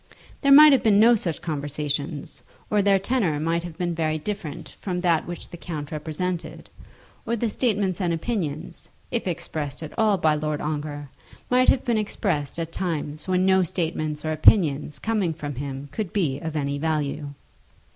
There might have been no such conversations, or their tenour might have been very different from that which the count represented, or the statements and opinions, if expressed at all by Lord Ongar, might have been expressed at times when no statements or opinions coming from him could be of any value.